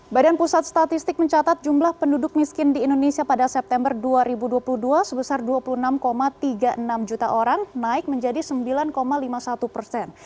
badan pusat statistik mencatat jumlah penduduk miskin di indonesia pada september dua ribu dua puluh dua sebesar dua puluh enam tiga puluh enam juta orang naik menjadi sembilan lima puluh satu persen